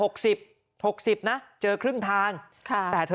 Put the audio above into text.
ขอบคุณครับ